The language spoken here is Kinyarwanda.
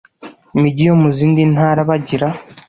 migi yo mu zindi ntara bagira